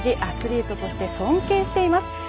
アスリートとして尊敬しています。